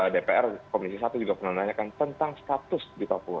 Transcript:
dpr komisi satu juga pernah menanyakan tentang status di papua